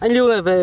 anh lưu hỏi về